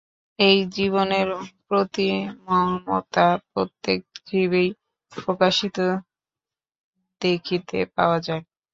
এই জীবনের প্রতি মমতা প্রত্যেক জীবেই প্রকাশিত দেখিতে পাওয়া যায়।